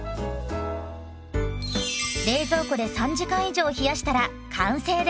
冷蔵庫で３時間以上冷やしたら完成です。